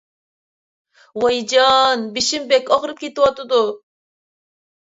ۋايجان، بېشىم بەك ئاغرىپ كېتىۋاتىدۇ.